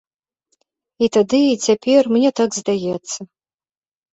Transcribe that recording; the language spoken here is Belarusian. І тады, і цяпер мне так здаецца.